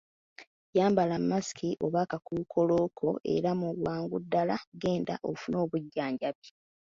Yambala masiki oba akakookolo ko era mu bwangu ddala genda ofune obujjanjabi.